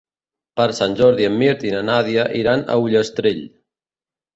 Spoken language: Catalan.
Per Sant Jordi en Mirt i na Nàdia iran a Ullastrell.